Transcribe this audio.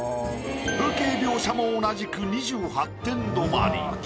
風景描写も同じく２８点止まり。